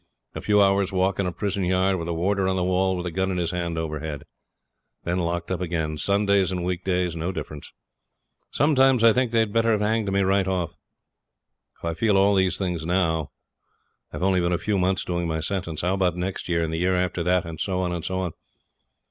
A few hours' walk in a prison yard, with a warder on the wall with a gun in his hand overhead. Then locked up again, Sundays and week days, no difference. Sometimes I think they'd better have hanged me right off. If I feel all these things now I've only been a few months doing my sentence, how about next year, and the year after that, and so on, and so on?